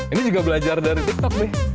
ini juga belajar dari tiktok nih